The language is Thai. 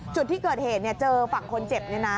จุดที่เกิดเหตุเนี่ยเจอฝั่งคนเจ็บเนี่ยนะ